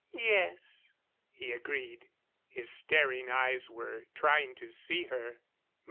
"Yes," he agreed. His staring eyes were trying to see her.